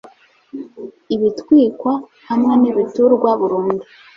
ibitwikwa hamwe n’ibiturwa burundu